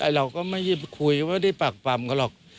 ไหนเราก็ไม่คุยว่าพริปรับพรรมก็หรอก